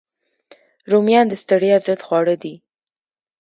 رومیان د ستړیا ضد خواړه دي